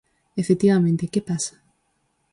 Efectivamente, ¿que pasa?